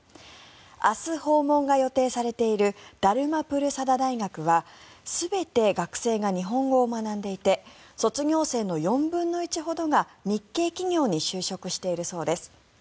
明日訪問が予定されているダルマ・プルサダ大学は全て学生が日本語を学んでいて卒業生の４分の１ほどが日系企業に就職しているそうです。